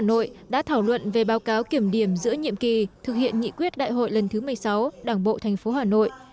nội đã thảo luận về báo cáo kiểm điểm giữa nhiệm kỳ thực hiện nghị quyết đại hội lần thứ một mươi sáu đảng bộ tp hà nội